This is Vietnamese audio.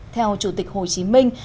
theo chủ tịch hồ chí minh